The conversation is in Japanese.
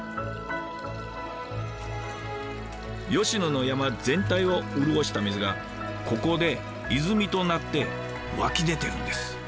吉野の山全体を潤した水がここで泉となって湧き出てるんです。